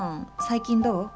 最近どう？